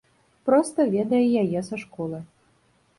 Проста ведае яе са школы.